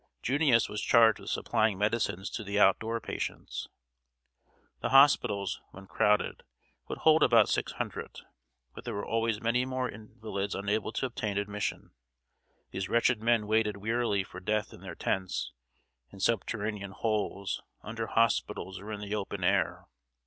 "Junius" was charged with supplying medicines to the "out door patients." The hospitals, when crowded, would hold about six hundred; but there were always many more invalids unable to obtain admission. These wretched men waited wearily for death in their tents, in subterranean holes, under hospitals, or in the open air.